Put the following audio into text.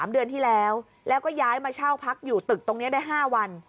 ๓เดือนที่แล้วแล้วก็ย้ายมาเช่าพักอยู่ตึกตรงนี้ได้๕วัน